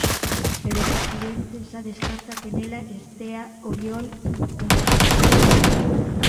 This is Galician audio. Pero o presidente xa descarta que nela estea Oriol Junqueras.